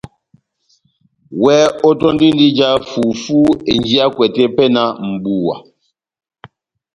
Iwɛ ótɔndindi ija fufú enjiyakwɛ tepɛhɛ náh mʼbuwa